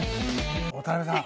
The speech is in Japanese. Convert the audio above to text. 渡邊さん